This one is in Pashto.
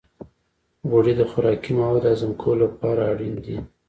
غوړې د خوراکي موادو د هضم کولو لپاره اړینې دي.